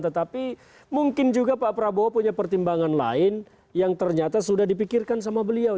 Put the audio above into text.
tetapi mungkin juga pak prabowo punya pertimbangan lain yang ternyata sudah dipikirkan sama beliau